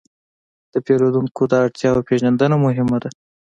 د پیرودونکو د اړتیاوو پېژندنه مهمه ده.